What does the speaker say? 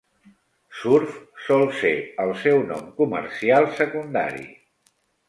Surf sol ser el seu nom comercial secundari.